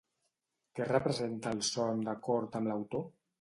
Què representa el son d'acord amb l'autor?